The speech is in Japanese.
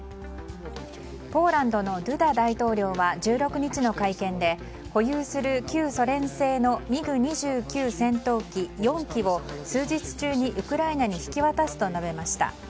ポーランドのドゥダ大統領は１６日の会見で保有する旧ソ連製のミグ２９戦闘機４機を数日中にウクライナに引き渡すと述べました。